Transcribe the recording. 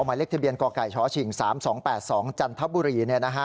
หมายเลขทะเบียนกไก่ชฉิง๓๒๘๒จันทบุรี